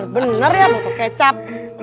bener bener ya botol kecap